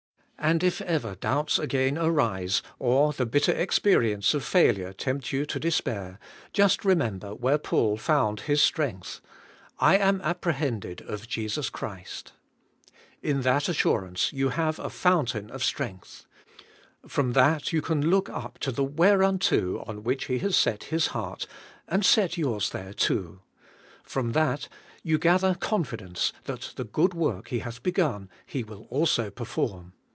And if ever doubts again arise, or the bitter experience of failure tempt you to despair, just re member where Paul found His strength : 'I am appre hended of Jesus Christ. ' In that assurance you have a fountain of strength. From that you can look up to the whereunto on which He has set His heart, and set yours there too. From that you gather confidence 3 34 ABIDE IN CHRIST. that the good work He hath begun He will also per form.